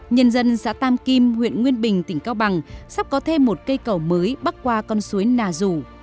nhân dân xã tam kim huyện nguyên bình tỉnh cao bằng sắp có thêm một cây cầu mới bắc qua con suối nà rù